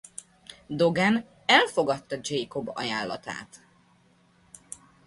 Dogen elfogadta Jacob ajánlatát.